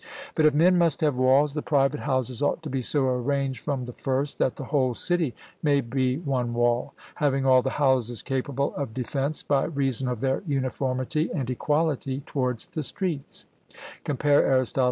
But if men must have walls, the private houses ought to be so arranged from the first that the whole city may be one wall, having all the houses capable of defence by reason of their uniformity and equality towards the streets (compare Arist.